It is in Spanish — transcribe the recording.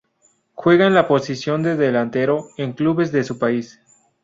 Juega en la posición de delantero en clubes de su país.